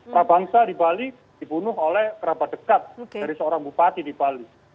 prabangsa di bali dibunuh oleh kerabat dekat dari seorang bupati di bali